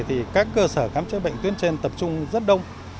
thì các cơ sở khám chữa bệnh tuyến trên tập trung rất đông